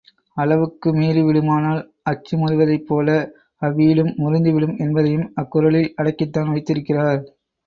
அளவுக்கு மீறிவிடுமானால், அச்சு முறிவதைப்போல அவ்வீடும் முறிந்துவிடும் என்பதையும் அக்குறளில் அடக்கித்தான் வைத்திருக்கிறார்.